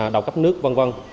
đầu cấp nước v v